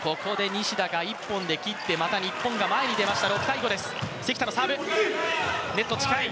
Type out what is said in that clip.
西田が１本で切ってまた日本が前に出ました。